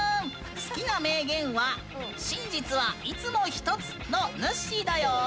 好きな名言は「真実はいつも一つ」のぬっしーだよ！